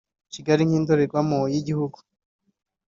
Kigali nk’indorerwamo y’igihugu